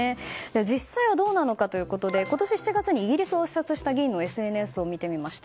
実際はどうなのかということで今年７月にイギリスを視察した議員のＳＮＳを見てみました。